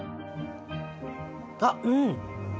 あっうん。